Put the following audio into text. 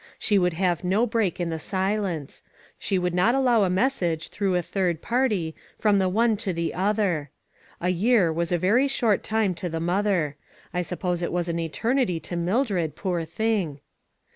She would have no break in the silence. She would not allow a message, through a third party, from the one to the other. A year was a very short time to the mother. I suppose it was an eternity to Mildred, poor thing. 398 ONE COMMONPLACE DAY.